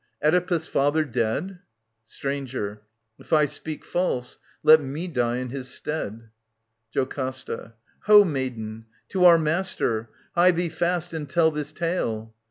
... Oedipus' father dead ? Stranger. If I speak false, let me diejn^his stead. JoCASTA. I Ho, maiden I To our master ! Hie thee fast And tell this tale.